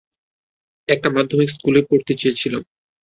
একটা মাধ্যমিক স্কুলে পড়তে চেয়েছিলাম।